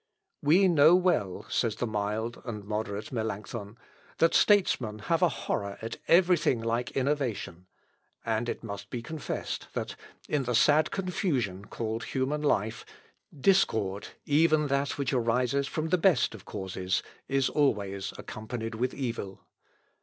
"We know well," says the mild and moderate Melancthon, "that statesmen have a horror at every thing like innovation; and it must be confessed, that in the sad confusion called human life, discord, even that which arises from the best of causes, is always accompanied with evil.